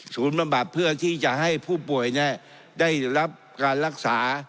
บำบัดเพื่อที่จะให้ผู้ป่วยได้รับการรักษา